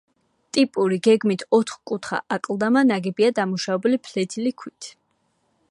ტიპური, გეგმით ოთხკუთხა აკლდამა ნაგებია დამუშავებული ფლეთილი ქვით.